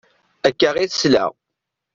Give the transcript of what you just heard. Akka i tesla.